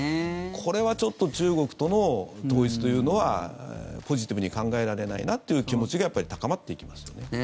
これはちょっと中国との統一というのはポジティブに考えられないなという気持ちがやっぱり高まっていきますよね。